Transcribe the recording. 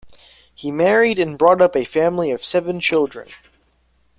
He married and brought up a family of seven children.